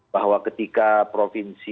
bahwa ketika provinsi